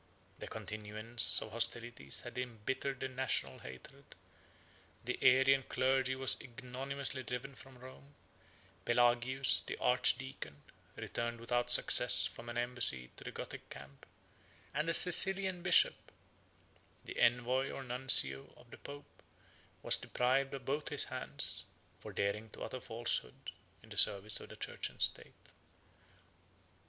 The continuance of hostilities had imbittered the national hatred: the Arian clergy was ignominiously driven from Rome; Pelagius, the archdeacon, returned without success from an embassy to the Gothic camp; and a Sicilian bishop, the envoy or nuncio of the pope, was deprived of both his hands, for daring to utter falsehoods in the service of the church and state.